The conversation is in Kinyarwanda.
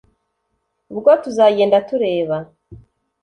Ubwo tuzagenda tureba